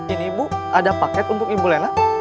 ini ibu ada paket untuk ibu lena